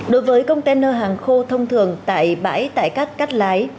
đối với container hàng khô thông thường tại bãi tại cát cát lái